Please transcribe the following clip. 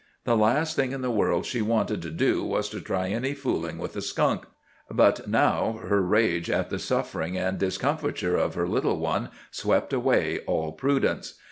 The last thing in the world she wanted to do was to try any fooling with a skunk. But now her rage at the suffering and discomfiture of her little one swept away all prudence.